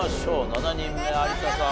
７人目有田さん